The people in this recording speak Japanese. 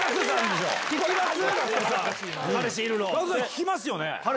聞きますよね？